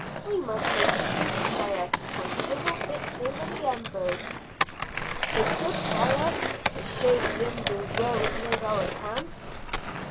We must make a good fire, and frizzle bits over the embers." "A good fire, to show the Indians where we've made our camp?"